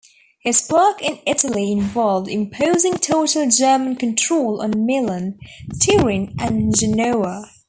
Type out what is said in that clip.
His work in Italy involved imposing total German control on Milan, Turin and Genoa.